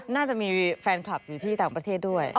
น่าจะมีแฟนคลับอยู่ที่ต่างประเทศด้วย